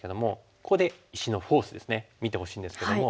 ここで石のフォースですね見てほしいんですけども。